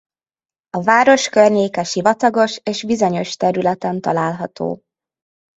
A város környéke sivatagos és vizenyős területen található.